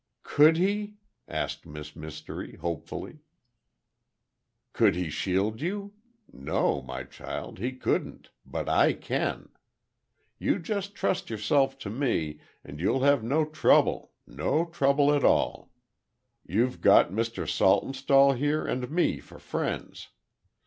"Could he?" asked Miss Mystery, hopefully. "Could he shield you? No, my child, he couldn't, but I can. You just trust yourself to me, and you'll have no trouble, no trouble at all. You've got Mr. Saltonstall, here, and me for friends.